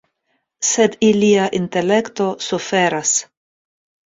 Sed ilia intelekto suferas.